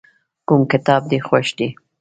کوم کتاب دې خوښ دی.